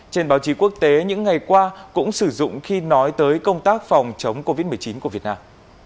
trên báo chí quốc tế những ngày qua cũng sử dụng khi nói tới công tác phòng chống covid một mươi chín của việt nam